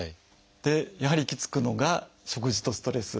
でやはり行き着くのが「食事」と「ストレス」。